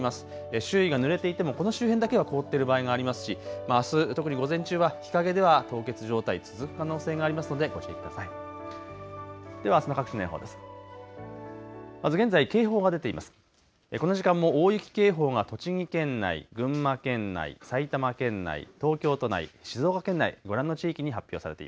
周囲がぬれていてもこの周辺だけは凍ってる場合がありますし、あす特に午前中は日陰では凍結状態、続く可能性がありますのでご注意ください。